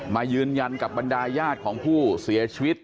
มายืนยันกับบรรดาญาติของผู้เสียชีวิต